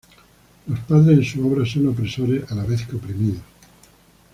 Los padres en sus obras son opresores a la vez que oprimidos.